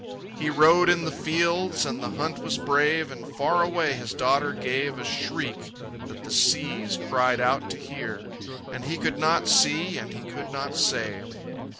He rode in the fields, and the hunt was brave, And far away his daughter gave A shriek that the seas cried out to hear, And he could not see and he could not save.